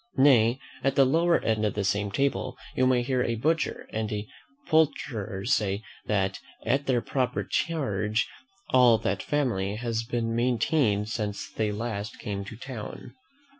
Nay, at the lower end of the same table, you may hear a butcher and a poulterer say, that, at their proper charge, all that family has been maintained since they last came to town.